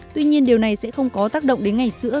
tuy nhiên điều này sẽ không có tác động đến ngày sữa